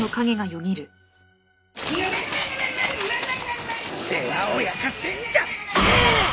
世話を焼かせんじゃねえ！